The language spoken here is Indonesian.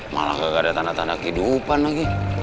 malah gak ada tanda tanda kehidupan lagi